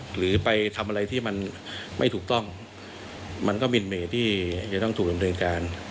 หรือไปทำอะไรที่มันไม่ถูกต้องมันก็มินเมย์ที่จะต้องถูกดำเนินการ